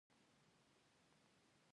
د ټیټ رتبه ملکي مامورینو له تعیناتو نظارت.